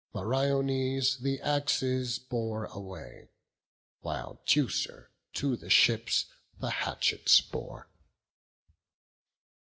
Meriones the axes bore away, While Teucer to the ships the hatchets bore.